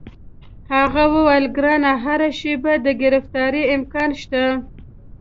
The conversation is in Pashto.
هغې وویل: ګرانه، هره شیبه د ګرفتارۍ امکان شته.